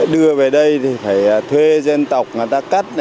đưa về đây thì phải thuê dân tộc người ta cắt